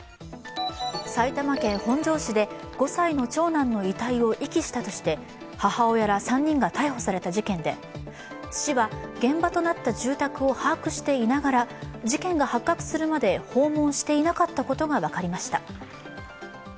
埼玉県本庄市で５歳の長男の遺体を遺棄したとして母親ら３人が逮捕された事件で市は現場となった住宅を把握していながら、事件が発覚するまで訪問していなかったことが分かりました。